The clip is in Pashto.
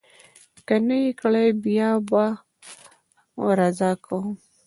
که نه یې کړي، بیا به رضا کوم.